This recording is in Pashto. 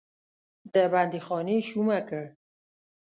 د بندیخانې شومه کړ.